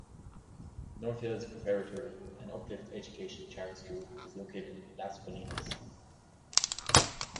North Hills Preparatory, an Uplift Education charter school is located in Las Colinas.